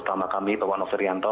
terutama kami bapak novi rianto